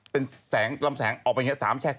เป็นแสงลำแสงออกไปอย่างนี้